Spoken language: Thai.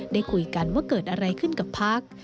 ได้คุยกันว่าเกิดอะไรขึ้นกับพัก